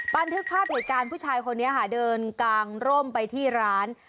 บันทึกภาพเหตุการณ์ผู้ชายคนนี้ค่ะเดินกางร่มไปที่ร้าน